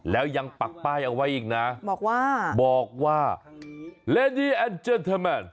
แล้วยังปักป้ายเอาไว้อีกนะบอกว่าลีดี้แอนด์เจนเตอร์แมน